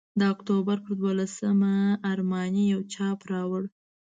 د اکتوبر پر دوولسمه ارماني یو چاپ راوړ.